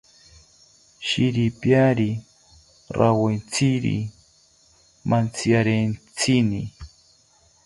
Shiripiari rawintziri mantziarentsini